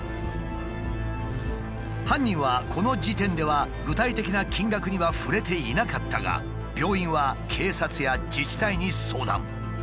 犯人はこの時点では具体的な金額には触れていなかったが病院は警察や自治体に相談。